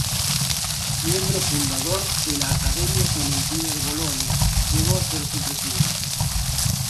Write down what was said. Miembro fundador de la Accademia Clementina de Bolonia, llegó a ser su presidente.